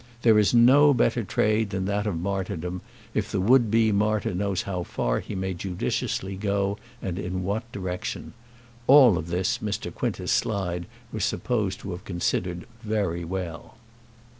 There is no better trade than that of martyrdom, if the would be martyr knows how far he may judiciously go, and in what direction. All this Mr. Quintus Slide was supposed to have considered very well.